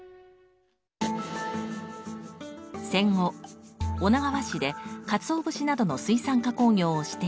戦後女川市でカツオ節などの水産加工業をしていた善次郎さん。